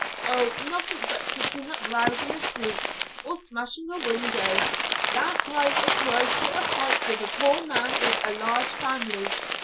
"Oh, nothing but kicking up rows in the streets, or smashing a window. Last time it was for a fight with a poor man with a large family.